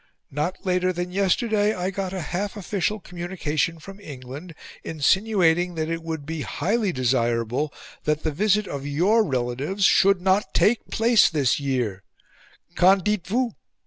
Not later than yesterday I got a half official communication from England, insinuating that it would be HIGHLY desirable that the visit of YOUR relatives SHOULD NOT TAKE PLACE THIS YEAR qu'en dites vous?